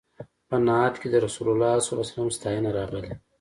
په نعت کې د رسول الله صلی الله علیه وسلم ستاینه راغلې.